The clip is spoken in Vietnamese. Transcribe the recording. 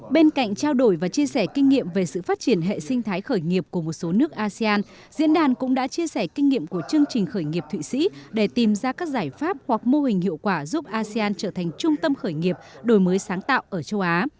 bên cạnh trao đổi và chia sẻ kinh nghiệm về sự phát triển hệ sinh thái khởi nghiệp của một số nước asean diễn đàn cũng đã chia sẻ kinh nghiệm của chương trình khởi nghiệp thụy sĩ để tìm ra các giải pháp hoặc mô hình hiệu quả giúp asean trở thành trung tâm khởi nghiệp đổi mới sáng tạo ở châu á